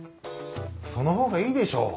その方がいいでしょ。